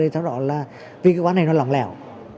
nó rõ ràng là vì cái quan hệ này nó lỏng lẻo